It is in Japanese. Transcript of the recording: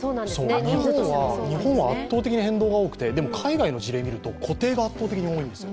日本は圧倒的に変動が多くて、でも海外の事例を見ると固定が圧倒的に多いんですよ。